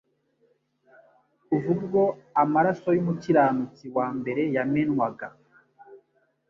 Kuva ubwo amaraso y'umukiranutsi wa mbere yamenwaga,